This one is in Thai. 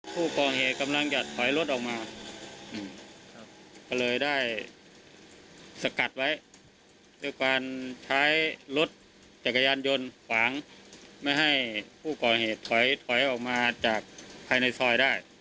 ผู้ก่อเหตุกำลังจะถอยรถออกมาก็เลยได้สกัดไว้ด้วยการใช้รถจักรยานยนต์ขวางไม่ให้ผู้ก่อเหตุถอยถอยออกมาจากภายในซอยได้